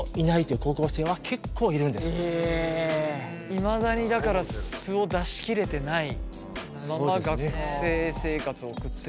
いまだにだから素を出し切れてないまま学生生活を送ってる。